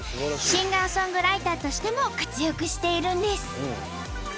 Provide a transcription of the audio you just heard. シンガーソングライターとしても活躍しているんです。